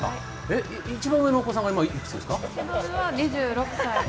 え、一番上のお子さんがいくつですか？